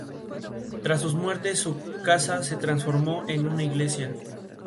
Trabajó principalmente con altos polímeros de silicatos.